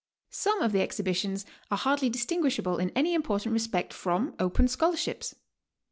Some of the exhibitions are hardly distinguishable in any important respect from open scholarships.